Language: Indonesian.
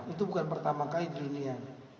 itu bukan pertama kali di dunia